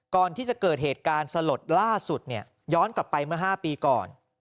ก่อนที่จะเกิดเหตุการณ์สลดล่าสุดเนี่ยย้อนกลับไปเมื่อ๕ปีก่อน